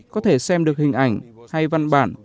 có thể xem được hình ảnh hay văn bản